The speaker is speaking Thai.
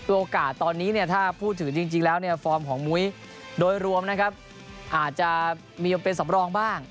โอกาสตอนนี้ถ้าพูดถึงจริงแล้วฟอร์มของมุ้ยโดยรวมอาจจะมีเป็นสำรองบ้าง